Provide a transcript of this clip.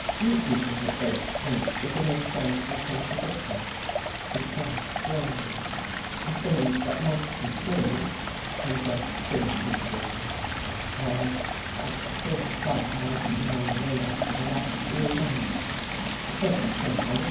" You people were faced once with an insoluble contradiction," he said slowly. " A thing that must be true and yet couldn't be true. Well, that's the sort of problem I've been gnawing away at for the last three months. A perfect circle.